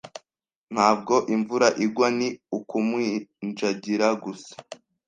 Ntabwo imvura igwa. Ni ukuminjagira gusa.